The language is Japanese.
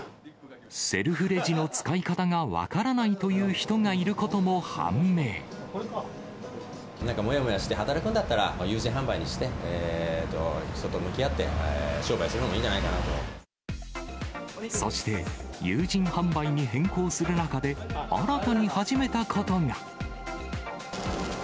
セルフレジの使い方が分からなんかもやもやして働くんだったら、有人販売にして、人と向き合って商売するのもいいんじゃそして、有人販売に変更する中で、新たに始めたことが。